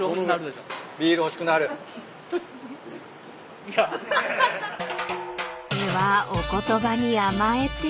［ではお言葉に甘えて］